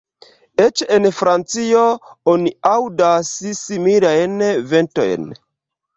Eĉ en Francio oni aŭdas similajn ventojn.